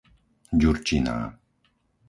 Ďurčiná